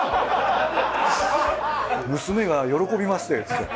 娘が喜びましてって。